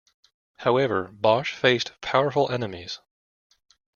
However, Bosch faced powerful enemies.